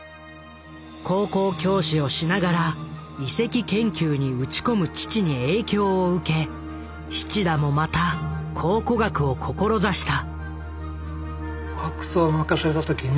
高校教師をしながら遺跡研究に打ち込む父に影響を受け七田もまた考古学を志した。